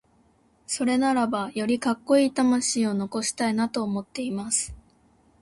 それならば、よりカッコイイ魂を残したいなと思っています。